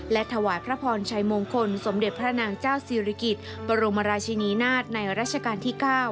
และถวายพระพรชมงคลสมเด็จพระนางเจ้าสริกิตปรมรชนีนาธรณ์ในราชกาลที่๙